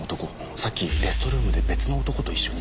さっきレストルームで別の男と一緒にいたんですよ。